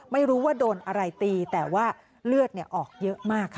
ไม่รู้ว่าโดนอะไรตีแต่ว่าเลือดออกเยอะมากค่ะ